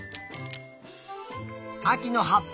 あきのはっぱ